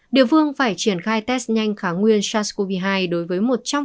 địa phương phải triển khai test nhanh kháng nguyên sars cov hai đối với một trăm linh